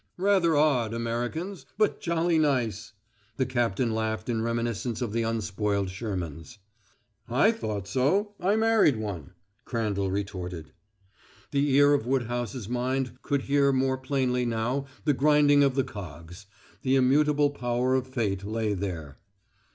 "Rather odd, Americans. But jolly nice." The captain laughed in reminiscence of the unspoiled Shermans. "I thought so I married one," Crandall retorted. The ear of Woodhouse's mind could hear more plainly now the grinding of the cogs; the immutable power of fate lay there.